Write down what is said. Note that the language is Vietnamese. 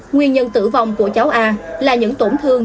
nguyên nhân tử vong của cháu a là những tổn thương